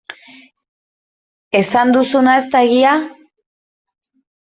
Esan duzuna ez da egia?